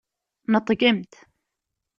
Neṭgemt!